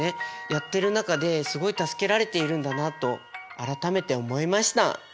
やってる中ですごい助けられているんだなと改めて思いました。